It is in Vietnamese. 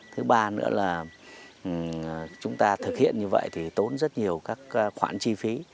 thứ ba nữa là chúng ta thực hiện như vậy thì tốn rất nhiều các khoản chi phí